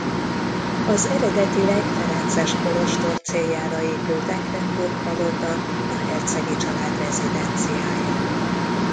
Az eredetileg ferences kolostor céljára épült Ehrenburg-palota a hercegi család rezidenciája.